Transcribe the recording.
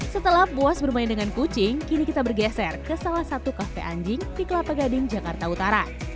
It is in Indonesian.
setelah puas bermain dengan kucing kini kita bergeser ke salah satu kafe anjing di kelapa gading jakarta utara